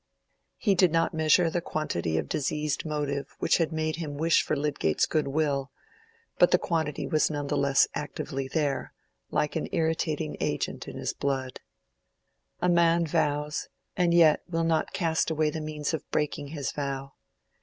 He did not measure the quantity of diseased motive which had made him wish for Lydgate's good will, but the quantity was none the less actively there, like an irritating agent in his blood. A man vows, and yet will not cast away the means of breaking his vow.